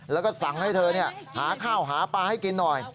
แล้วก็สั่งให้เธอหาข้าวหาปลาให้กินหน่อย